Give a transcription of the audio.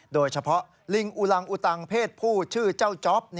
โดยเฉพาะลิงอุลังอุตังเพศผู้ชื่อเจ้าจ๊อป